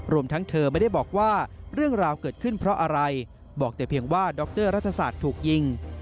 รวมทั้งเธอไม่ได้บอกว่าเรื่องราวเกิดขึ้นเพราะอะไรบอกแต่เพียงว่าดรรัฐศาสตร์ถูกยิง